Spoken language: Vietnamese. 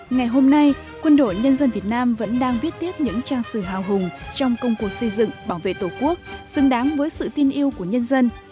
ngày hôm nay quân đội nhân dân việt nam vẫn đang viết tiếp những trang sử hào hùng trong công cuộc xây dựng bảo vệ tổ quốc xứng đáng với sự tin yêu của nhân dân